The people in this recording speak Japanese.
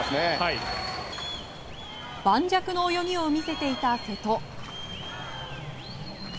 盤石の泳ぎを見せていた瀬戸。